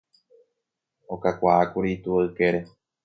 okakuaákuri itúva ykére